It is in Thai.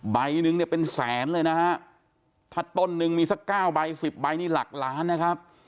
ใบหนึ่งเนี่ยเป็นแสนเลยนะฮะถ้าต้นนึงมีสักเก้าใบสิบใบนี่หลักล้านนะครับ